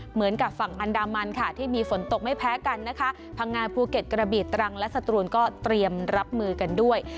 เหมือนกับฝั่งอันดามันค่ะที่มีฝนตกไม่แพ้กันนะคะพังงาภูเก็ตกระบีตรังและสตรูนก็เตรียมรับมือกันด้วย